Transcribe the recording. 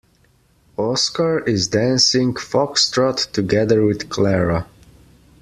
Oscar is dancing foxtrot together with Clara.